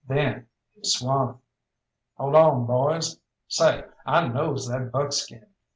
Then he swung. "Hold on, boys! Say, I knows that buckskin.